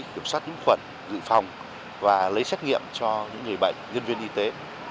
kiểm soát nhiễm khuẩn dự phòng và lấy xét nghiệm cho những người bệnh nhân viên y tế